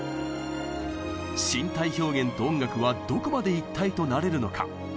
身体表現と音楽はどこまで一体となれるのか？